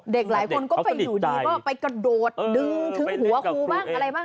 เด็กหลายคนก็ไปอยู่ดีไปกระโดดดึงถึงหัวครูบ้าง